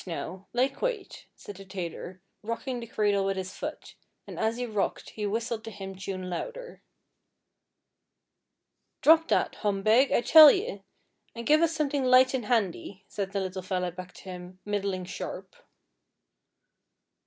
'Whush, whush, now; lie quate,' said the tailor, rocking the cradle with his foot, and as he rocked he whistled the hymn tune louder. 'Drop that, Hom Beg, I tell ye, an' give us something light an' handy,' said the little fella back to him, middling sharp.